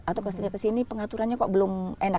atau ketika sini pengaturannya kok belum enak